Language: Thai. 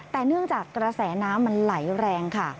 แต่เนื่องจากกระแสน้ำมันไหลแรงค่ะ